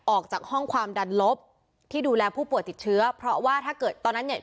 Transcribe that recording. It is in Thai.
ออกจากห้องความดันลบที่ดูแลผู้ป่วยติดเชื้อเพราะว่าถ้าเกิดตอนนั้นเนี่ย